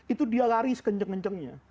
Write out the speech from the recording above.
itu dia lari sekenceng kenceng